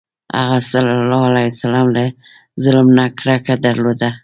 هغه ﷺ له ظلم نه کرکه درلوده.